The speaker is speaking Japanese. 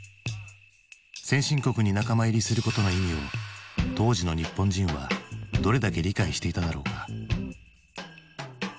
先進国に仲間入りすることの意味を当時の日本人はどれだけ理解していただろうか。